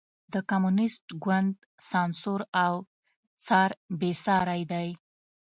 د کمونېست ګوند سانسور او څار بېساری دی.